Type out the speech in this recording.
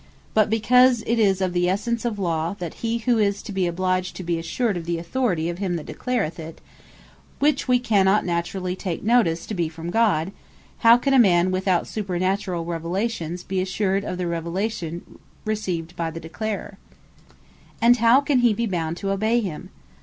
But because it is of the essence of Law, that he who is to be obliged, be assured of the Authority of him that declareth it, which we cannot naturally take notice to be from God, How Can A Man Without Supernaturall Revelation Be Assured Of The Revelation Received By The Declarer? and How Can He Be Bound To Obey Them?